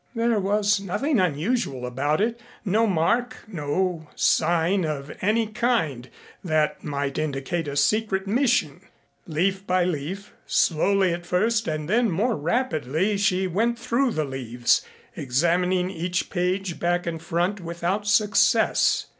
There was nothing unusual about it, no mark, no sign of any kind that might indicate a secret mission. Leaf by leaf, slowly at first and then more rapidly she went through the leaves, examining each page back and front, without success.